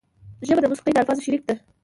ژبه د موسیقۍ د الفاظو شریک ده